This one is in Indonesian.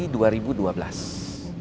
jadi ini pembangunan kan seperti jalantol